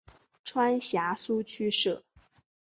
川陕苏区设。